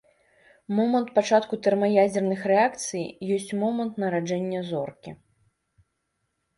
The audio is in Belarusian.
Момант пачатку тэрмаядзерных рэакцый ёсць момант нараджэння зоркі.